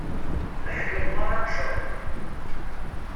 Leḥyuḍ merra qecren.